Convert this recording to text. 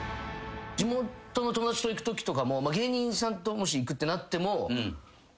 地元の友達と行くときとかも芸人さんともし行くってなっても。